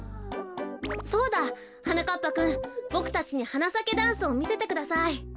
そうだはなかっぱくんボクたちに「はなさけダンス」をみせてください。